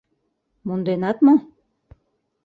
Монденат мо?